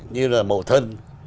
điện bộ thân